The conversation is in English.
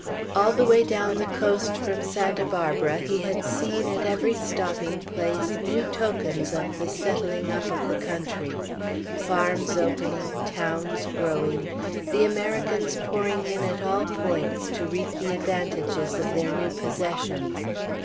All the way down the coast from Santa Barbara he had seen, at every stopping place, new tokens of the settling up of the country, farms opening, towns growing; the Americans pouring in, at all points, to reap the advantages of their new possessions.